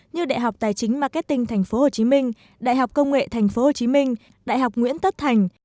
như đại học tài chính marketing tp hcm đại học công nghệ tp hcm đại học nguyễn tất thành